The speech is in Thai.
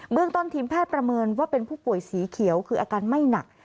ต้นทีมแพทย์ประเมินว่าเป็นผู้ป่วยสีเขียวคืออาการไม่หนัก